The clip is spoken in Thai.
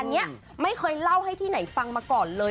อันนี้ไม่เคยเล่าให้ที่ไหนฟังมาก่อนเลย